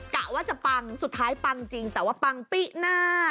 กะว่าจะปังสุดท้ายปังจริงแต่ว่าปังปิหน้า